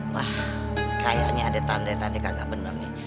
wah kayaknya ada tanda tanda kagak bener nih